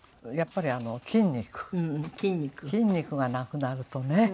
やっぱり筋肉筋肉がなくなるとね。